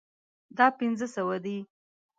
دا پنځه سوه دي